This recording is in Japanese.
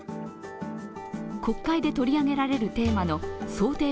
国会で取り上げられるテーマの想定